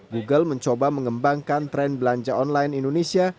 google mencoba mengembangkan tren belanja online indonesia